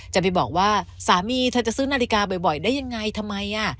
จะไปบอกว่าสามีเธอจะซื้อนาฬิกาบ่อยได้ยังไงทำไม